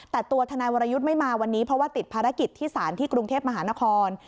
แต่ตัวทนายวรยุทธ์ไม่มาวันนี้เพราะว่าติดภารกิจที่ศาลที่กรุงเทพมหานคร